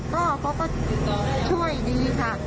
ก็เขาก็ช่วยดีค่ะ